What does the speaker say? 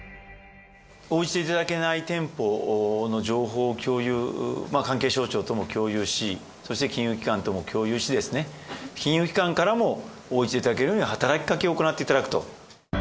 応じていただけない店舗の情報を共有、関係省庁とも共有し、そして金融機関とも共有して、金融機関からも応じていただけるように働きかけを行っていただくと。